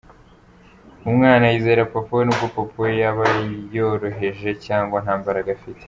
Umwana yizera Papa we nubwo Papa we yaba yoroheje, cyangwa nta mbaraga afite.